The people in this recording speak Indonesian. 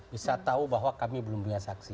bisa tahu bahwa kami belum punya saksi